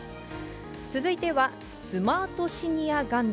続いては、スマートシニア元年。